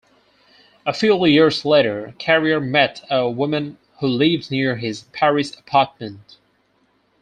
A few years later, Carrier met a woman who lived near his Paris apartment.